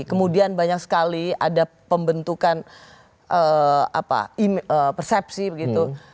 kemudian banyak sekali ada pembentukan persepsi begitu